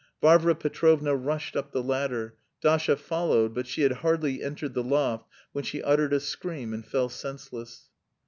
Varvara Petrovna rushed up the ladder; Dasha followed, but she had hardly entered the loft when she uttered a scream and fell senseless.